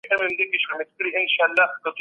ملکي وګړي د بهرنیو اقتصادي مرستو پوره حق نه لري.